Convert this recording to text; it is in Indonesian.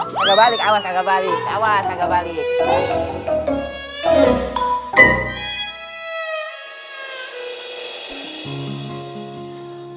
eh eh eh tangga balik awas tangga balik awas tangga balik